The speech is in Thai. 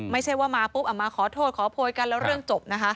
ไม่ใช่ว่ามาปุ๊บมาขอโทษขอโพยกันแล้วเรื่องจบนะคะ